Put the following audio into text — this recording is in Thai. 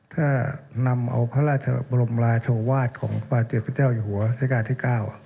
ถ้านำเอาพระราชบรมราชาวาสของพระเจ้าอย่างหัวเศรษฐกาลที่๙